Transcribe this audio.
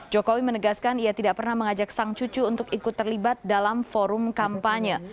jokowi menegaskan ia tidak pernah mengajak sang cucu untuk ikut terlibat dalam forum kampanye